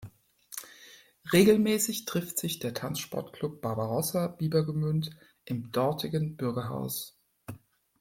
Regelmäßig trifft sich der Tanzsportclub Barbarossa Biebergemünd im dortigen Bürgerhaus.